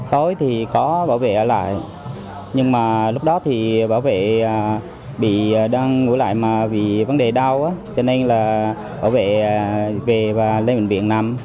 tối thì có bảo vệ ở lại nhưng mà lúc đó thì bảo vệ bị đang ngủ lại mà vì vấn đề đau cho nên là bảo vệ về và lên bệnh viện nằm